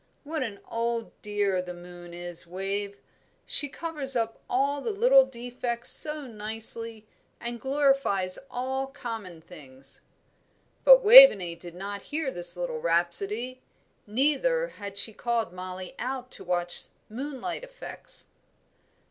What an old dear the moon is, Wave! She covers up all little defects so nicely, and glorifies all common things." But Waveney did not hear this little rhapsody, neither had she called Mollie out to watch moonlight effects.